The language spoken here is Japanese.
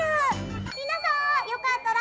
皆さんよかったら。